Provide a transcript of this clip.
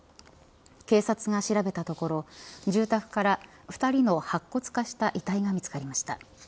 警察が調べたところ、住宅から２人の白骨化した遺体が見つかりました。